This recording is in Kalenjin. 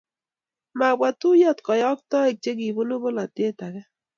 Mabwa tuiyrt koyoktoik che kibunu polatet ake